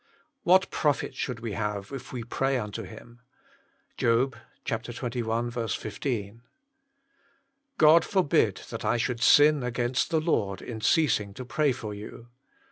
What profit should we have, if we pray unto Him?" JOB. xxi. 15. " God forbid that I should sin against the Lord in ceasing to pray for you."